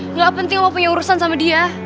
nggak penting mau punya urusan sama dia